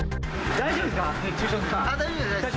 大丈夫です。